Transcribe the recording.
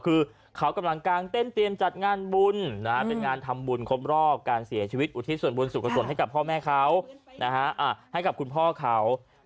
คือเขากำลังกางเต้นเตรียมจัดงานบุญเป็นงานทำบุญครบรอบการเสียชีวิตอุทิศส่วนบุญสุขสนให้กับพ่อแม่เขาให้กับคุณพ่อเขา